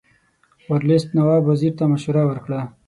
ورلسټ نواب وزیر ته مشوره ورکړه.